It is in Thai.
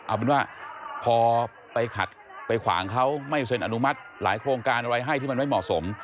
เอาเป็นว่าพอไปขัดไปขวางเขาไม่เซ็นอนุมัติหลายโครงการอะไรให้ที่มันไม่เหมาะสม